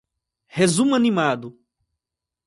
Resumo animado